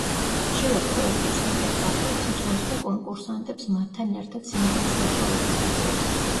ხშირად პროექტი ცნობად სახეებს იწვევს და კონკურსანტებს მათთან ერთად სიმღერის საშუალებას აძლევს.